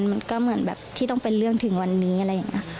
มันก็เหมือนแบบที่ต้องเป็นเรื่องถึงวันนี้อะไรอย่างนี้